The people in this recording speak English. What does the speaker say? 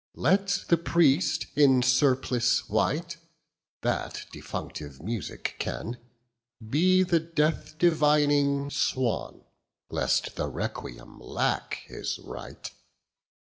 Let the priest in surplice white That defunctive music can, Be the death divining swan, 15 Lest the requiem lack his right.